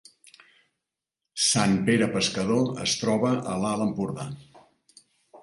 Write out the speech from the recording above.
Sant Pere Pescador es troba a l’Alt Empordà